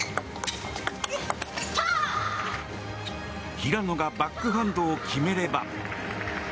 平野がバックハンドを決めれば。